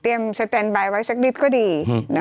เตรียมสเตนบายไว้สักนิดก็ดี